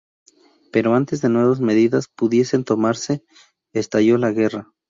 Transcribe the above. Pero antes de nuevas medidas pudiesen tomarse, estalló la guerra.